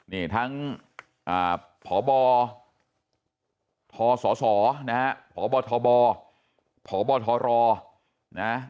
นี่ทั้งพบพศศพบธบพบธรนะฮะ